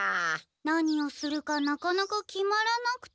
何をするかなかなか決まらなくて。